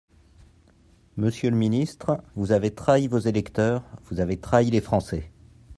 Monsieur le ministre, vous avez trahi vos électeurs, vous avez trahi les Français.